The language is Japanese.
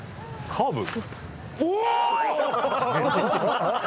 カーブ。